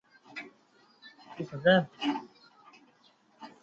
杂色耀鲇的图片